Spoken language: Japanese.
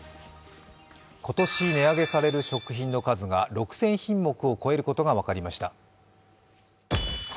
今年値上げされる食品の数が６０００品目を超えることが分かりました。